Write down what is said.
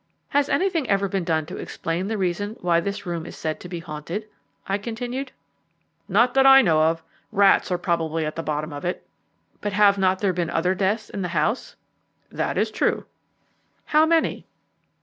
"Has anything ever been done to explain the reason why this room is said to be haunted?" I continued. "Not that I know of. Rats are probably at the bottom of it." "But have not there been other deaths in the house?" "That is true." "How many?"